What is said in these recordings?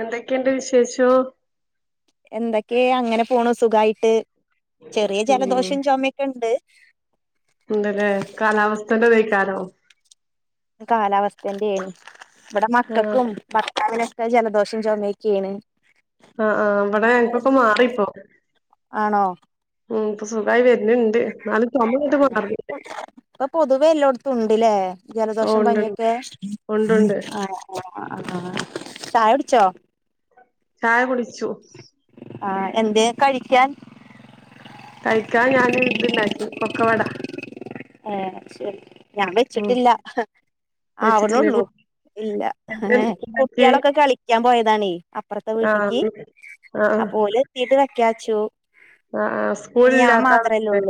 എന്തൊക്കെണ്ട് വിശേഷം ചോ എന്തൊക്കേ. അങ്ങനെ പോണു സുഖായിട്ട് ചെറിയ ഉം ജലദോഷം ചുമയൊക്കെ ഉണ്ട് ന്തലേ കാലാവസ്ഥന്റെ ചാലോ കാലാവസ്ഥന്റേണ്. ഇബടെ ആഹ് മകക്കും ഭർത്താവിനും അ--ജലദോഷം ചുമൊക്കേണ് ആഹ് ആഹ് ഇവടെ ഞഞ്കൊക്കെ മാറിപ്പൊ ആണോ ഉം പൊസുഖായിവ ഇപ്പൊ പൊതുവെ എല്ലോട്ത്തും ഇണ്ട്ലേ ഓ ജലദോഷം ഉണ്ടുണ്ട് പനിയൊക്കെ ഉണ്ടുണ്ട് ആഹ് ആഹ് ചായടിച്ചോ ചായ കുട്ച്ചു ആഹ് എന്തേ കഴിക്കാൻ തയ്ക്കാൻ ഞാന് ഇത്ണ്ടാക്കി പൊക്കവട ആഹ് ശരി ഞാൻ ഉം വെച്ചിട്ടില്ല. വെച്ചിട്ടില്ലേ ആവണൊള്ളു കുട്ടി ഇല്ല ഏഹ് ഉണ്ടാക്കിയേ കുട്ടീളൊക്കെ കളിക്കാൻ പോയതാണെ അപ്പ്റത്തെ വീട്ടിക്ക്. ആഹ് അപോലെത്തീട്ട് വെക്കാച്ചു അ ആഹ് ഞാൻ സ്കൂളില്ലാത്ത മാത്രല്ലേ ന ഉള്ളൂ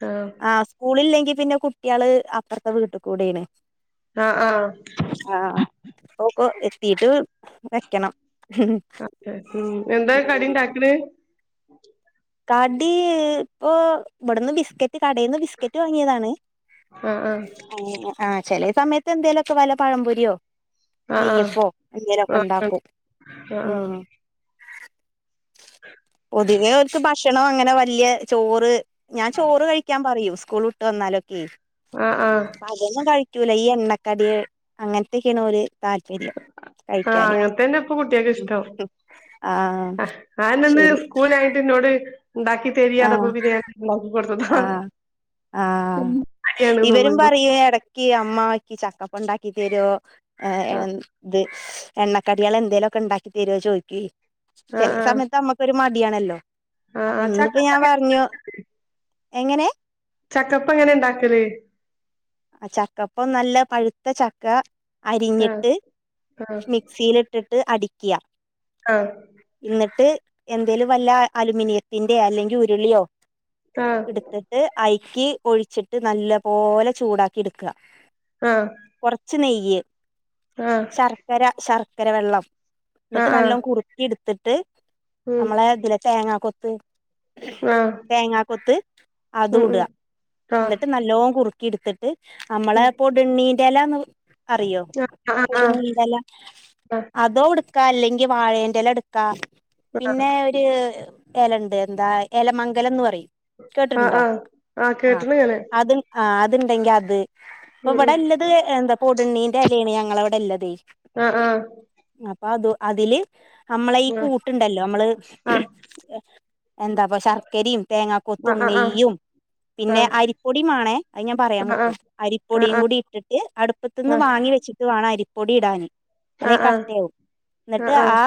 ത് ആ സ്കൂളില്ലെങ്കി പിന്നെ കുട്ട്യാള് അപ്പെർത്തെ വീട്ടികുടേണ് ആഹ് ആഹ് ആഹ് ഓക്കൊ. തീട്ട് വെക്കണം. അതെ ഉം എന്താ കടിണ്ടാക്ക്ണെ അ കടീ പ്പോ ഇബടന്ന് ബിസ്ക്കറ്റ്. കടയിന്ന് ബിസ്കറ്റ് വാങ്ങിയതാണ്. ആഹ് ആഹ്. ആഹ് ചെലേ സമയത്ത് എന്തേലൊക്കെ വല്ല പഴംപൊരിയൊ ആഹ് ആഹ് നെയ്യപ്പൊ എന്തേലൊക്കെ ആഹ് ഇണ്ടാക്കും ആഹ് ഉം. ഒതിങ്ങിയ ഭക്ഷണം അങ്ങനെ വല്യയ ചോറ്. ഞാൻ ചോറ് കഴിക്കാൻ പറയു സ്കൂൾ വിട്ട് വന്നാ ആഹ് ആഹ് അപ്പൊ അതൊന്നും കഴി ചൂലൈ എണ്ണക്കടി അങ്ങന് ത്തൊക്കെന്നോല് താല്പര്യം. ആഹ് കഴിക്കാന്. അങ്ങനത്തന്നെ ഇപ്പൊ കുട്ടികൾക്ക് ഇഷ്ടം ആഹ് ശരി. ണ്ടാക്കി തരീ ആ അറ്ഞപൊ പിന്നെ ഞാ [unintelligible] ആഹ് ആഹ് ഇവരും മടിയാണ്ന്നുള്ളു പറയ ഇടക്ക അമ്മാക്കി ചക്കപ്പു ഉണ്ടാക്കി തരു ആഹ് ആ്ത്. എണ്ണക്കടികൾ എന്തേങ്കലുമ ഒക്കെ ഉണ്ടാക്കി തരുവോ ചോദിക്കി ചരി ആഹ് സമയത്ത് അമ്മക്കരു മ ആണല്ലോ ആഹ് ആഹ് അപ്പൊ ആഹ് ഇന്നിപ്പോ ചക്കപ്പ ഞാൻ പറഞ്ഞു. എങ്ങനെ ചക്കപ്പ എങ്ങനെ ഇണ്ടാക്കല് ആ ചക്കപ്പൊ നല്ല പഴുത്ത ചക്ക ആഹ് അരിഞ്ഞിട്ട് ആഹ് മിക്സിയിലിട്ടിട്ട് ട്ട് അടിക്കുക. എന്നിട്ട് എന്തേല വല്ല അലൂുമിനിയത്തിന്റെ അല്ലെങ്കിൽ ഉരുളിയോ ആഹ് എടുത്തിട്ട് അയി ക്കി ഒഴിച്ചിട്ട് നല്ല പോലെ ചൂടാക്കി എടുക്കുക. ആഹ കൊറച്ച് നെയ്യ് ശർക്കര ശർക്ക കരവെള്ളം എന്നിട്ട് ആഹ് നല്ലോ ആഹ് കുറുത്തി എടു തട്ട് ഉം നമ്മളെ ഇതില ചേങ്ങ കൊ ത് ആഹ് തേങ്ങാ കുത്ത് അത് ഉം ഉട ഉം ആഹ് എന്നിട്ട് നല്ലോ കുറ് ഇടുത്തിട്ട് ഉം നമ്മളെപ്പോടണ്ണി എല അറിയോ ആഹ് ആഹ് ആഹ് കൊടുങ്ങല്ല ആഹ് അതോടു ടുക്ക അല്ലെങ്കിൽ വാഴേൻല്ല എടുക്കാ പിന്നെ ഒരു ഇല ഉണ്ട് എന്താ ഇലമംഗലം എന്ന് പറയും ആഹ കേട്ടിട്ടുണ്ടോ ആഹ് ആഹ കേട്ട്ണ് ഞാൻ ആ അത്ണ്ടെങ്കി അത് ഇപ്പൊ ഇവിടെല്ലത് എ എന്താ പോത് പെണ്ണിന്റെ അനിയനാ ഞങ്ങളെവിടെ ഉള്ളത് അ ആ അതു അതില് നമ്മളെ ഈ കൂട്ട് ഇണ്ടല്ലോ ഞമ്മള്.. എന്താപ്പാ ശർക്കരിം തേങ്ങാ കൊത്തും ആഹ് ആഹ് ആഹ് നെയ്യും ആഹ് ആഹ് പിന്നെ അരിപ്പൊടിം മാണേ അയ് ഞാന് പറയാൻ ആഹ് ആഹ് വിട്ടു അരിപ്പൊടിൻ ആഹ് കൂടി ഇട്ടിട്ട് അടുപ്പത്തിന് ആഹ് വാങ്ങി വച്ചിട്ട് വേണം അരി പൊടിയിടാന് അല്ലെ ആഹ് കട്ടാകും ന്നട്ട് ആഹ് ആഹ് ആ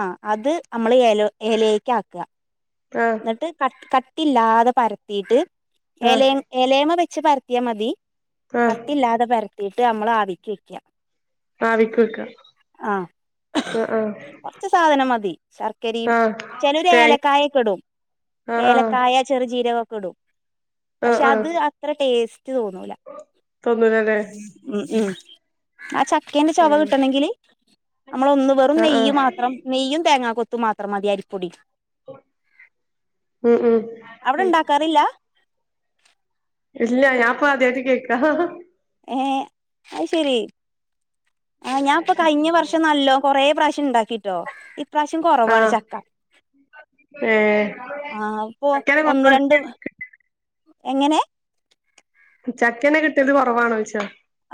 അ അത് മ്മള് എലെക്ക് ആക ആഹ് ആഹ് ന്നട്ട് ക ക.. ട്ടില്ലാതെ പരത്തീട്ട് ആഹ് എലെ എലെ മത് ച്ച പരത്തി മതി ആഹ് ആഹ് കാട്ടില്ലാതെ പരത്തിട്ട് ഞമ്മള് ആവിക്ക് വെക്ക അ ആവിക്ക് വെക്ക ആ ന്ഹ ശർക്കരീം ചെലോല് ഏലക്കായൊക്കെ ഇടും ആഹ് ആഹ് ഏലക്കായ ചെറു ചെ.. ജീരകക്കൊടും ആഹ് പക്ഷേ ആഹ് അത് അത്ര ടെസ്.. റ്റ് തോന്നൂല തിന്നൂലല്ലേ ഉം ഉം അച്ച.. ചോയ ആഹ് കിട്ടണങ്കിൽ ഞമ്മള് ഒന്ന് വെറും ആഹ് നെയ്യ് ആഹ് മാത്രം നെയ്യും തേങ്ങാ കൊത്തും പ്പു മാത്രം മതി അരിപ്പൊടി ഉം ഉം അവ്ടെ ണ്ടാക്കാറില്ല ഇല്ല ഞാനിപ്പ ആദ്യയിട്ട് കേൾക്ക ഹ ഹാ ങ്‌ ങേ അത് ശരി അ ഞാപ്പം കഴിഞ്ഞ വർഷം നല്ലോ കൊറേ പ്രാവശ്യം ഉണ്ടാക്കി ട്ടോ ഇപ്രാവശ്യം കൊറവാണ് ആഹ് ചക്ക ഏഹ് ആ ഇപ്പൊ ചക്കനെ ഒന്ന് കൊറവാ രണ്ട് എങ്ങനെ ചക്കനെ കിട്ടിയത് കുറവാണോ വിച്ചോ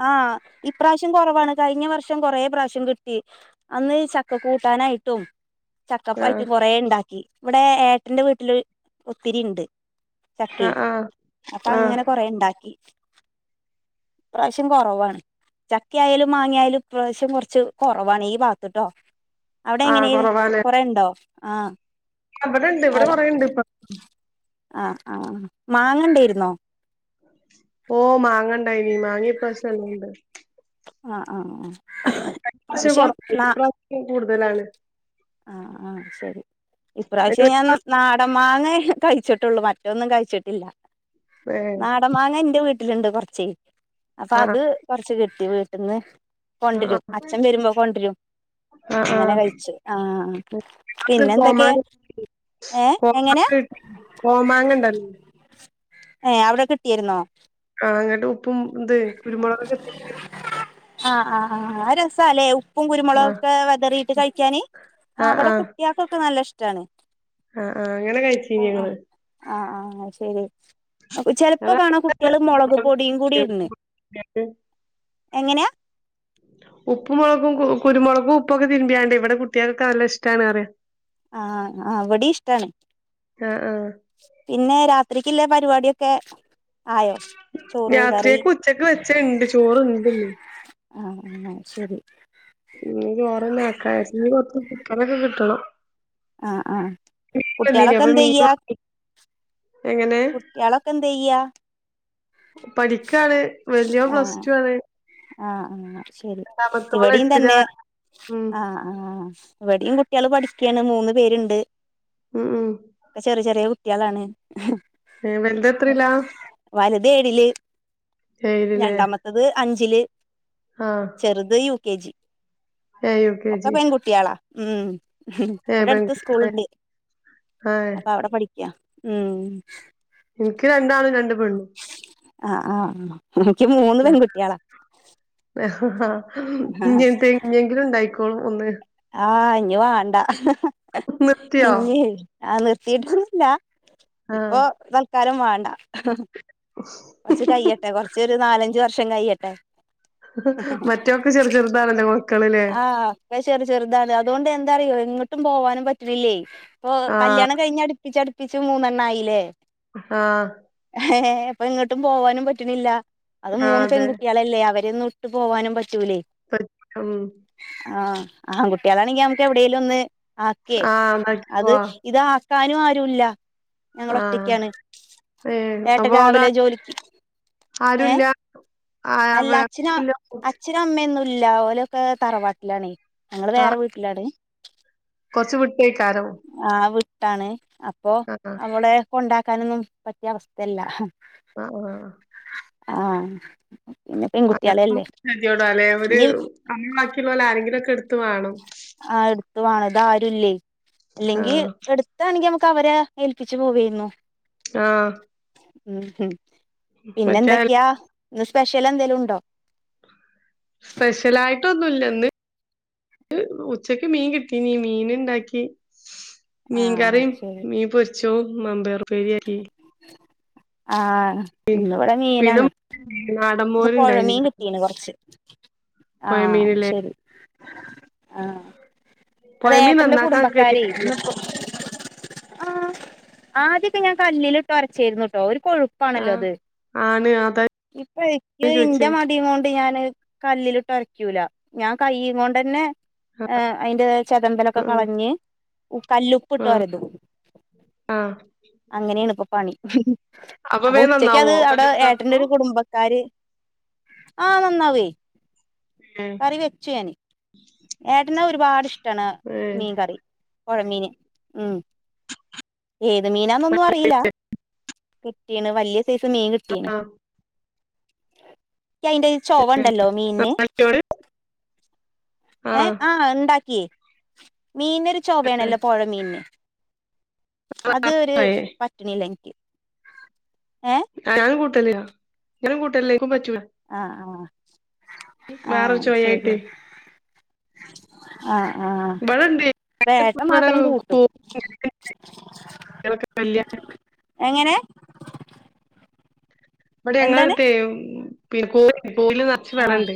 ആഹ് ഇപ്രാവശ്യം കുറവാണ് കഴിഞ്ഞ വർഷം കൊറെ പ്രാവശ്യം കിട്ടി അന്ന് ചക്ക കൂട്ടാനായിട്ടും ആഹ് ചക്കപ്പായിട്ട് കൊറെ ഉണ്ടാക്കി ഇവിടെ ഏട്ടന്റെ വീട്ടില് ഒത്തിരി ഉണ്ട് ചക്കി ആഹ് ആഹ് അപ്പൊ ആഹ് അങ്ങനെ കൊറെ ഉണ്ടാക്കി ഇപ്രാവശ്യം കുറവാണ് ചക്കയാലും മാങ്ങിയയാലും ഇപ്രാവശ്യം കുറച്ച് കൊറവാണ് ഈ ഭാത്തട്ടോ അവിടെ ആഹ് എങ്ങനെ കൊറെണ്ടോ ആഹ അവിടെ ഇണ്ട് ഇവിടെ പറയണ്ട് ഇപ്പ ആഹ ആഹ മാങ്ങണ്ടായിരുന്നോ ഓ മാങ്ങണ്ടായി നീ മാങ്ങിയ പ്രശ്നംല്ലാംണ്ട് ആഹ ഇപ്രാവശ്യം കൊറവാ ഇപ്രാവശ്യം കൂടുതലാണ് ആഹ ഉ അതിന്റെ ഇപ്രാവശ്യം ഒരു ഞാൻന മാങ്ങേ കഴിച്ചിട്ടുള്ളൂ മറ്റൊന്നും കഴിച്ചിട്ടില്ല ഏ നാടമാങ്ങ എൻന്റെ വീട്ട ലു ണ്ട് കുറച്ച് അപ്പൊ ആഹ് അത് കൊറച്ച് കിട്ടും വീട്ടിൽന്ന് ആഹ് കൊണ്ടരും അച്ഛൻ വരുമ്പോ കൊണ്ടരും ആഹ് അങ്ങനെ ആഹ് കഴിച്ചു ആഹ അത് പിന്നെന്തൊക്കെയാ കോമാങ്ങ ഏ എങ്ങനെയാ കോമാങ്ങ കിട്ടി കോമാങ്ങ ഇണ്ടല്ലോ ഏ അവിടെ കിട്ടിരുന്നോ ആ അങ്ങട്ട് ഉപ്പും ഇന്ത് കുരുമുളകൊക്കെ ശും ആഹ് ആഹ് ആഹ് രസ അല്ലേ ഉ ഉപ്പും ആഹ് കുരുമുളകൊക്കെ വിതറിയിട്ട് കഴിക്കാന് ആഹ് വിടെ ആഹ് കുട്ടികൾക്കൊക്കെ നല്ല ഇഷ്ടം ട്ടണ ആഹ് ആഹ് അങ്ങനെ കഴിച്ച ഞങ്ങള് ആഹ ശരി ചെലപ്പോ അതാ കാണാൻ കുട്ടികള് മുളക് പൊടിയും കൂടി ഇടൺ ഉപ്പ് മാ കുരുമുളക്കും ഉപ്പൊക്കെ തിന്മ്പിയാണ്ട് ഇവി കുട്ടികൾക്കെ നല്ല ഇഷ്ടമാണ്റിയ ആഹ ആ അവിടെ ഇഷ്ടാണ് ആഹ് ആഹ് പിന്നെ രാത് ല്ലെ പരിപാടിയൊക്കെ ആയോ ചോറ് കറി രാത്രിയൊക്കെ ഉച്ചക്ക് വെച്ച ഇണ്ട് ചോറുണ്ട്ന്ന് ആഹ് ആഹ് ശരി ചോറന്നക്ക കനൊക്കെ കിട്ടണം ആ ആ മീൻ വന്നീനി കുട്ട്വാളൊക്കെ അപ്പൊ എന്ത മീൻ ചെയ്യാ വാങ്ങി എങ്ങനെ കുട്ട്യാളൊക്കെ എന്ത ചെയ്യ പഠിക്കാണ് വലിയോൻ പ്ലസ്റ്റു ആണ് ആ ആ ശരി രണ്ടാമത്തോള് ഇവിടെയും തന്നെ എട്ടിലാണ്. ഉം ആ ആ ഇവടിം കുട്ട്യാള് പഠിക്കാണ് മൂന്ന് പേർണ്ട് ഉം ഉം ക്കെ ചെറിയ ചെറിയ കു ട്ട്യാളാണ് ഏഹ് വലുതെത്രയിലാ? വൽതേഴില് ഏഴിലില്ലേ രണ്ടാമത്തത് അഞ്ചില് ചെറുത് യു കെ ജി എ ഒക്കെ യുക്കെജി പെൺകുട്ടികളാ ഉം ഉം ഇവിടെ അടുത്ത് സ്കൂളുണ്ട് ആഹ് അപ്പൊ അവിടെ പഠിക്കാ ഉം ഉം ആ ആ ഇൻക്ക് മൂന്ന് പെൺകുട്ട്യാളാ ഹ ഹ ഇങ്ങൻത്തെ ഇഞ്ഞെങ്കിലും ഉണ്ടായി ഒന്ന് ആ ഇഞ്ഞ് വാണ്ട അഹഹ നിർത്തിയോ? ഇഞ്ഞേയ് ആ നിർത്തിയിട്ടൊന്നുല്ല ആഹ് ഇപ്പൊ തൽക്കാലം വാ ഹ്ഹ് കൊർച്ച് കയ്യട്ടെ കൊർച്ച് ഒരു നാലഞ്ച് വർഷം കയ്യട്ടെ മറ്റൊക്കെ ചെറു ചെറുതാണല്ലെ മക്കൾ ലെ ചെർ ചെർതാണ് അതൊണ്ട് എന്താറിയോ എങ്ങോട്ടും പോവാനും പറ്റ്ണ്ല്ലേ ഇപ്പോ ആഹ് കല്യാണം കഴിഞ്ഞ് അടുപ്പിച്ചടുപ്പിച് അടിപ്പിച്ച് മൂന്നെണ്ണ ആയില്ലേ ആഹ് ഏ ഇപ്പൊ ഇങ്ങോട്ടും പോവാനും പറ്റണില്ല അത് ആഹ് മൂന്ന് അതെ പെൺകുട്ടികളല്ലേ അവര് ഒന്നും ഇട്ട് പോകാനും പറ്റൂലേ പർ ആഹ് ആഹ് കുട്ടികളാണെങ്കിൽ നമ്മുക്ക് എവിടേലും ഒന്ന് ആക്കേ ആഹ് ഉണ്ടാക്കി അത് പോവാ ഇതാ ക്കാനും ആരുല്ല ഞങ്ങള ആഹ് ഒറ്റക്കാണ് ഏഹ് ഏട്ടൻ അപ്പൊ അവിടെ രാവിലെ ജോലിക്ക് ഏ ആരുല്ല ആ അല്ല വേറെല്ല അച്ഛനും അമ്മയും എല്ലാ പോലെയൊക്കെ തറവാട്ടിലാണ ആഹ കൊറച്ച് വിട്ടേക്കാരോ ട്ടാണ് അപ്പോ നമ്മുടെ കൊണ്ടാക്കാനൊന്നും പറ്റിയ അവസ്ഥല്ല ആഹ ആഹ ആഹ ച്ചോട അല്ലെ അവര് അമ്മ ബാക്കിയുള്ള പോലെ ആരെങ്കിലുംക്കെ ആഹ എടുത്ത വേണം അത് ആരുുംല്ലേ ആ അല്ലെങ്കി എടുത്താണെങ്ക അവരെ ഏൽപ്പിച്ചച്ച് പോവരുന്നു ആഹ ഉം ഹം പിന്നെന്തൊക്കെയാ സ്പെഷ്യൽ എന്തേങ്കലും ഉണ്ടോ സ്പെഷ്യലായിട്ടൊന്നുമല്ലന്ന് ഉച്ചക്ക് മീൻ കിട്ടീനീ മീൻ ഉണ്ടാക്കി മീ ആഹ് കറി ശരി മീ പച്ച ച്ചോ മാമ്പേർ പേരി ആഹ പിന്നെ ഇ മോര്ണ്ടായിനി പുഴമീൻ കിട്ടിയാണ് കുറച്ച് ആഹ പൊയമീനില്ലേ ശരി ആഹ അത പൊയമീൻ ഏട്ടന്റെ നന്നാക്കാൻ ഗതികേടല്ലേ കുടുംബക്കാരരുന്നുപ്പ ആഹ ആദ്യൊക്കെ ഞാൻ കല്ലിൽിട്ട് ഒരച്ചരുന്നുട്ടോ ഒരു ആ കൊഴുപ്പാണല്ലോ അത് ആണ് അതാ ഇപ്പ ഞാൻ എന്റെ ചോയിച്ചേ മടികൊണ്ട് കൊണ്ട് ഞാന് കല്ലിൽ ഇട്ട് ഒരക്കൂല, ഞാൻ കൈയ്യും കൊണ്ട് തന്നെ ആ അതിന്റെ ചെതമ്പലൊക്കെ ആ കളഞ്ഞ് കല്ലുപ്പ് ഇട്ട് ആ ആ ഒരക്കുംഅങ്ങനെയാണ് ഇപ്പൊ പണി. ഉം അപ്പൊ വേഗം ഉച്ചക്ക് നന്നാവോ അത് അവിടെ കല്ലുപ്പ് ഏട്ടന്റെ ഇതാക്കുമ്പോ ഒരു കുടുംബക്കാര് ആ, നന്നാവേ ഏ കറി വെച്ച് ഞാനി, ഏട്ടന ഒരുപാട് ഇഷ്ടാണ് ഏ മീൻ കറി പുഴമീന്, ഉം ഏത് മീനാന്നൊന്നും അറിയില്ല വീണ് വലിയ സൈസ് മീൻ കിട്ടീന് ആ എനി അയിന്റെ ചൊവ ഉണ്ടല്ലോ, മീനിന്, കല്ലിയോട് ഏ ആ, ഉണ്ടാക്കിയേ മീനിനൊരു ചൊവയാണല്ലോ പുഴ മീനിന് അത് ഒരു ആയേ പറ്റണില്ല എനിക്ക്. ഏ [unintelligible] [unintelligible] ഞാൻ കൂട്ടല്ലേ പറ്റും ആ ആ ആ വേറെ ഒരു ശരി ചെവയായിട്ട് ആ ആ വേട്ട മാത്രം കൂട്ടും എങ്ങനെ അവിടെ എന്താണ് എങ്ങനത്തെയും [unintelligible] പോല് നിറച്ച് ആ വരണ്ട്,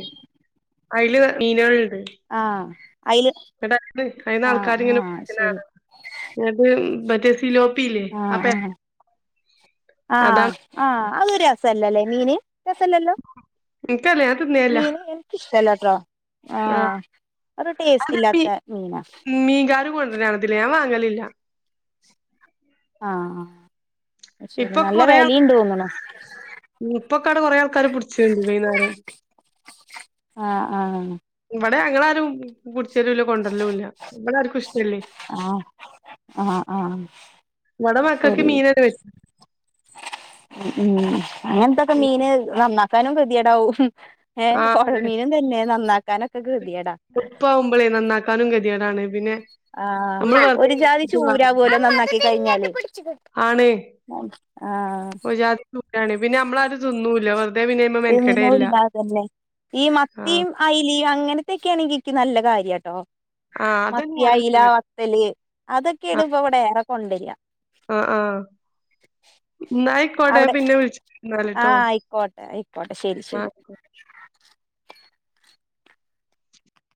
അതില് മീനുകളുണ്ട്, ആ അയില് എന്നിട്ട് അ അതിന്ന് ആ ആൾക്കാർ ആ ഇങ്ങനെ നിക്കണ ശരി കാണാം മറ്റേ സിലോപ്പില്ലേ ആ ആ അതാണ് ആ അതൊരു രസല്ലല്ലേ മീന് രസല്ലല്ലോ എനിക്കല്ല ഞാൻ തിന്നേല്ല മീന് എനിക്ക് ഇഷ്ടല്ല ത്ര ആ അത് ഇല്ലാത്ത മീനാ മീൻകാരൻ കൊണ്ടന്ന കാണതില്ലേ ഞാൻ വാങ്ങത്തില്ല ഇല്ല ആ ശരി, നല്ല വിലയണ്ട് തോന്നണു ഇപ്പക്കടെ കൊറേ. ആൾക്കാരര പിടിച്ചണ്ട് വൈകുന്നേരം ആ ആ ഇവിടെ ഞങ്ങളാരും കുടിച്ചേരുല്ല കൊണ്ടു വരലും ഇല്ല, [unintelligible] ഇല്ല, ആ ആ ആ ഇവിടെ മക്കക്ക് ശരി മീന വെച്ച ഉം അങ്ങനന്തൊക്കെ മീന് നന്ന എതാനും ധൃതിയേടാവും ആ ഏഹ് അതെ പുഴമീനും തന്നെ നന്നാക്കാനൊക്കെ കൃതിയടാ ടാണ് പിന്നെ ആ നമ്മള് വെറുതെ ഒരു ജാതി ഇണ്ടാക്കീട്ട് ചൂരാ കാര്യം പോലെ നന്നാക്കി കഴിഞ്ഞാല് ആണ് ഒജാതി ചൂടാണ് ആഹ പിന്നെ നമ്മളരു തിന്നൂല വെറുതെ പിന്നെ മെനക്കടയല്ല തിന്നൂല്ല ആഹ അങ്ങനത്തെക്കെ ആണെങ്കിൽ എനിക്ക് നല്ല കാര്യം കേട്ടോ ആ അതന്നെ മത്തി ഞാനും അയില പറഞ്ഞത് വത്തല് ആ അതൊക്കെയാണ് ഇപ്പൊ ഇവിടെ ഏറെ കൊണ്ടുവരൃ ആ ആ ഇന്നാ അയ്ക്കോട്ടെ ഞാൻ അവിടെ പിന്നെ വിളിച്ച എന്നാല് ആഹ ട്ടോ ആയിക്കോട്ടെ ആയിക്കോട്ടെ ശരി ആ ശരി ഉം